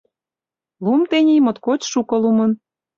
Лум тений моткоч шуко лумын.